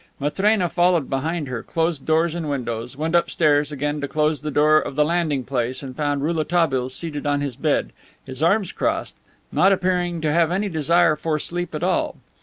Matrena followed behind her, closed doors and windows, went upstairs again to close the door of the landing place and found Rouletabille seated on his bed, his arms crossed, not appearing to have any desire for sleep at all.